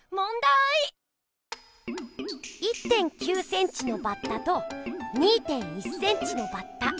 １．９センチのバッタと２．１センチのバッタ。